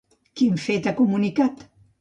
Quin fet ha comunicat?